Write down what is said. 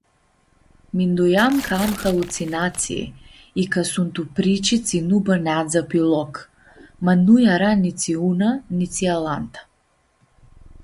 Mindueam ca am halutsinatsii ica suntu prici tsi nu bãneadzã pi Loc, ma nu eara nitsi una nitsi alanta.